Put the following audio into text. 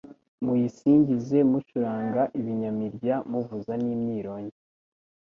muyisingize mucuranga ibinyamirya muvuza n’imyirongi